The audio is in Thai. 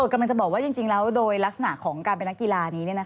กำลังจะบอกว่าจริงแล้วโดยลักษณะของการเป็นนักกีฬานี้